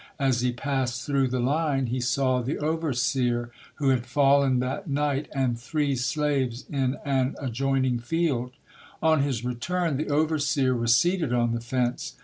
As he passed through the line, he saw the overseer who had fallen that night and three slaves in an adjoining field. On his return, the overseer was seated on the fence.